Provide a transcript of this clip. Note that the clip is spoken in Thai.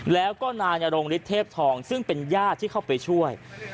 แล้วก็นายนรงฤทธเทพทองซึ่งเป็นญาติที่เข้าไปช่วย